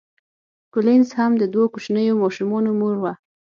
کولینز هم د دوو کوچنیو ماشومانو مور وه.